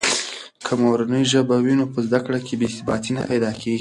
که مورنۍ ژبه وي نو په زده کړه کې بې ثباتي نه پیدا کېږي.